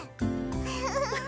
フフフフ。